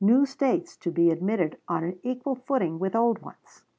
New States to be admitted on an equal footing with old ones.